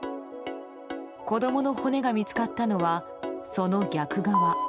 子供の骨が見つかったのはその逆側。